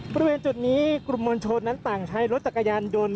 บริเวณจุดนี้กลุ่มมวลชนนั้นต่างใช้รถจักรยานยนต์